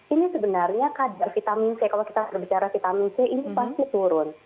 ini sebenarnya kadar vitamin c kalau kita berbicara vitamin c ini pasti turun